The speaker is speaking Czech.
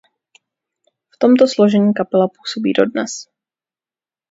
V tomto složení kapela působí dodnes.